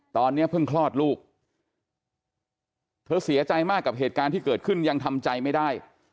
ตอนนี้เพิ่งคลอดลูกเธอเสียใจมากกับเหตุการณ์ที่เกิดขึ้นยังทำใจไม่ได้